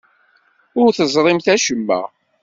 Ur teẓrimt acemma.